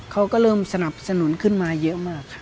เขาก็เริ่มสนับสนุนขึ้นมาเยอะมากค่ะ